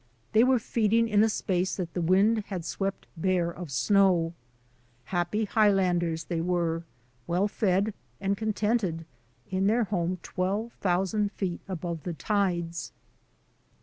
They were feeding in a space that the wind had $6 THE ADVENTURES OF A NATURE GUIDE swept bare of snow. Happy Highlanders they were, well fed and contented, in their home twelve thousand feet above the tides.